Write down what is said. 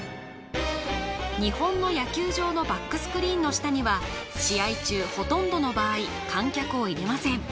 日本の野球場のバックスクリーンの下には試合中ほとんどの場合観客を入れません